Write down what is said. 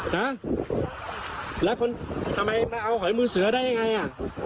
นะแล้วคนทำไมไปเอาหอยมือเสือได้ยังไงอ่ะ